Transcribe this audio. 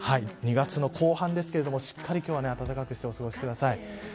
２月の後半ですけどもしっかり今日は暖かくしてお過ごしください。